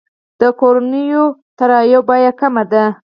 د کورنیو الوتنو بیه کمه ده.